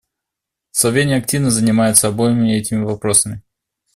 Словения активно занимается обоими этими вопросами.